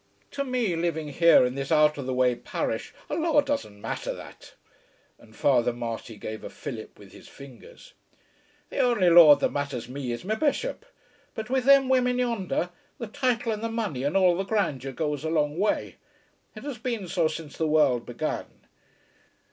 To me, living here in this out of the way parish, a lord doesn't matter that." And Father Marty gave a fillip with his fingers. "The only lord that matters me is me bishop. But with them women yonder, the title and the money and all the grandeur goes a long way. It has been so since the world began.